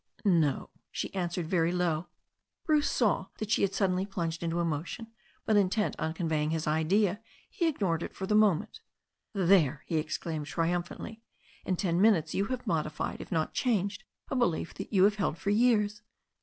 "No," she answered very low. Bruce saw that she had suddenly plunged into emotion^ but intent on conveying his idea, he ignored it for the mo ment. "There," he exclaimed triumphantly. "In ten minutes you have modified, if not changed, a belief you have held for years.